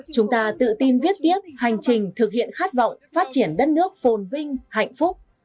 chúng ta tự tin viết tiếp hành trình thực hiện khát vọng phát triển đất nước phồn vinh hạnh phúc